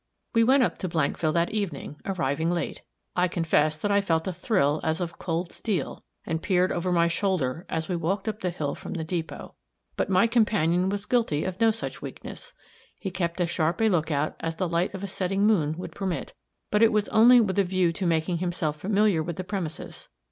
We went up to Blankville that evening, arriving late. I confess that I felt a thrill as of cold steel, and peered over my shoulder as we walked up the hill from the depot; but my companion was guilty of no such weakness. He kept as sharp a lookout as the light of a setting moon would permit, but it was only with a view to making himself familiar with the premises.